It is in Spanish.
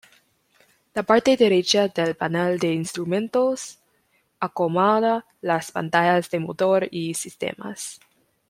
La parte derecha del panel de instrumentos acomoda las pantallas de motor y sistemas.